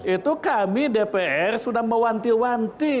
itu kami dpr sudah mewanti wanti